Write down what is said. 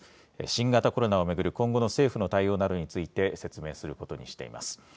新型コロナを巡る今後の政府の対応などについて説明することにしています。